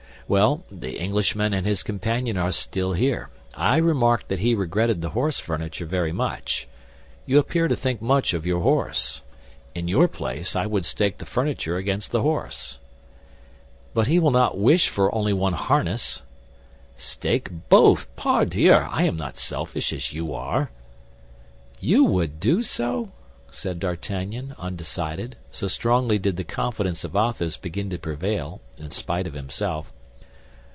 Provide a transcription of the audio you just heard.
"Well; the Englishman and his companion are still here. I remarked that he regretted the horse furniture very much. You appear to think much of your horse. In your place I would stake the furniture against the horse." "But he will not wish for only one harness." "Stake both, pardieu! I am not selfish, as you are." "You would do so?" said D'Artagnan, undecided, so strongly did the confidence of Athos begin to prevail, in spite of himself.